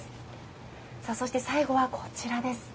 そして最後はこちらです。